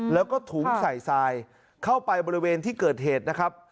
แล้วก็ถุงใส่ทรายเข้าไปบริเวณที่เกิดเหตุนะครับ